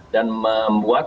dan membuat pasar domestik